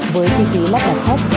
với chi phí lắp đặt thấp